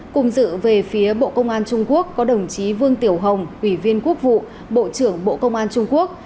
cùng dự về phía bộ công an trung quốc có đồng chí vương tiểu hồng ủy viên quốc vụ bộ trưởng bộ công an trung quốc